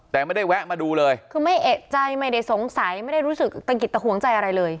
แต่ไม่ได้แวะมาดูเลยคือไม่เอกใจไม่ได้สงสัยไม่ได้รู้สึกตะกิดตะหวงใจอะไรเลย